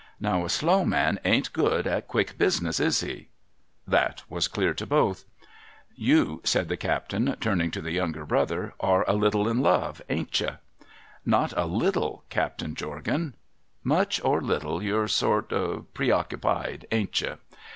Now a slow man ain't good at quick business, is he ?' That was clear to both. 244 A MKSSAGE FROM THE SEA 'You,' liaid the captain, turning to the younger brother, 'are a littic in love ; ain't you ?'' Not a httic, Captain Jorgan.' ' Much or hitlc, you're sort preoccupied; ain't you?'